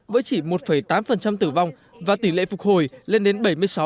với chỉ một tám tử vong và tỷ lệ phục hồi lên đến bảy mươi sáu bốn mươi bảy